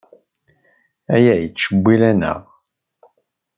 Aya yettcewwil-aneɣ.